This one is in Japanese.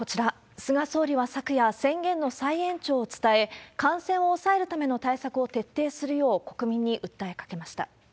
菅総理は昨夜、宣言の再延長を伝え、感染を抑えるための対策を徹底するよう国民に訴えかけました。